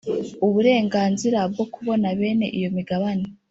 uburenganzira bwo kubona bene iyo migabane